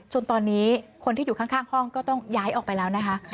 ตอนนี้คนที่อยู่ข้างห้องก็ต้องย้ายออกไปแล้วนะคะ